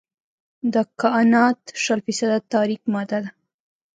د کائنات شل فیصده تاریک ماده ده.